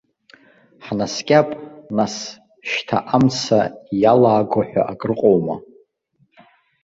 Ҳнаскьап, нас, шьҭа амца иалааго ҳәа акрыҟоума!